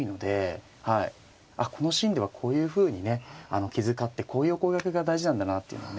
あっこのシーンではこういうふうにね気遣ってこういうお声掛けが大事なんだなっていうのをね